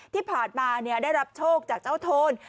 ที่ผ่านมาได้รับโชคจากเจ้าโทน